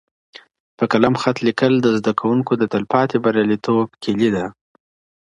په قلم خط لیکل د زده کوونکو د تلپاتې بریالیتوب کیلي ده.